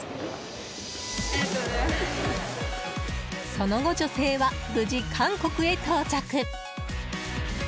その後、女性は無事韓国へ到着。